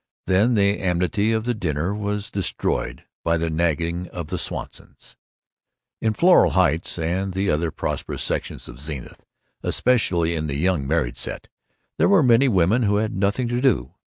Then the amity of the dinner was destroyed by the nagging of the Swansons. In Floral Heights and the other prosperous sections of Zenith, especially in the "young married set," there were many women who had nothing to do.